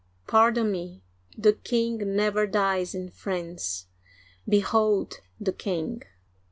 Pardon me, the king never dies in France. Behold the king